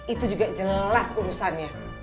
itu juga jelas urusannya